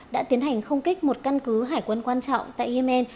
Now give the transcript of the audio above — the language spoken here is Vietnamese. đã tiến hành không kích một căn cứ hải quân quan trọng tại yemen